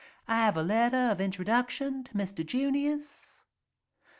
"I have a letter of introduction to Mr. Junius.